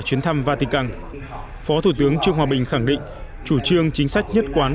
chuyến thăm vatican phó thủ tướng trương hòa bình khẳng định chủ trương chính sách nhất quán